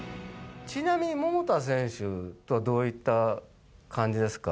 ちなみに桃田選手とはどういった感じですか。